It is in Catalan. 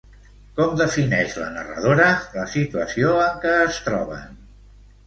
Com defineix la narradora la situació en què es troben?